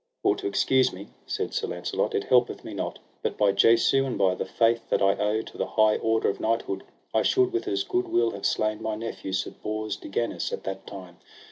For to excuse me, said Sir Launcelot, it helpeth me not, but by Jesu, and by the faith that I owe to the high order of knighthood, I should with as good will have slain my nephew, Sir Bors de Ganis, at that time.